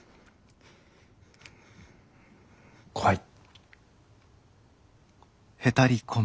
怖い。